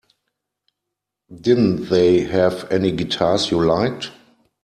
Didn't they have any guitars you liked?